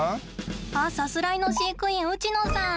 あっさすらいの飼育員ウチノさん。